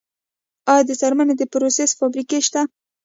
آیا د څرمنې د پروسس فابریکې شته؟